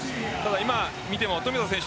今見ても富田選手